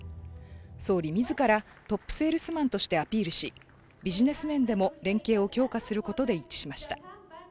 総理自らトップセールスマンとしてアピールしビジネス面でも連携を強化することで一致しました。